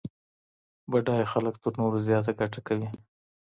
بډای خلګ تر نورو زياته ګټه کوي.